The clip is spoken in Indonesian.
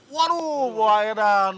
waduh buah yaudah